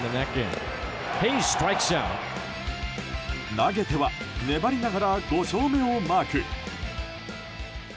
投げては粘りながら５勝目をマーク。